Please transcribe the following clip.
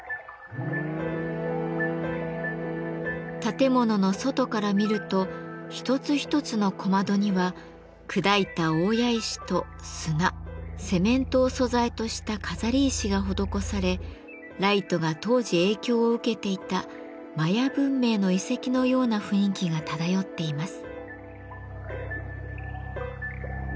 建物の外から見ると一つ一つの小窓には砕いた大谷石と砂セメントを素材とした飾り石が施されライトが当時影響を受けていたマヤ文明の遺跡のような雰囲気が漂っています。